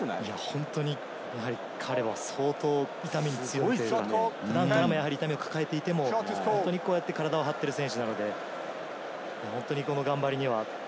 本当に彼は相当、痛みに強い、痛みを抱えていても、こうやって体を張っている選手なので、本当にこの頑張りには。